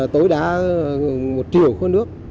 tối đa một triệu con nước